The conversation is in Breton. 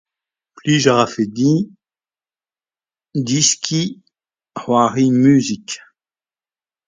Plij a rafe din deskiñ c'hoari musik